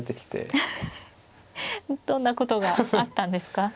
どんなことがあったんですか。